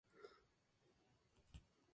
Tiene su sede en el Mayor Joe Serna, Jr.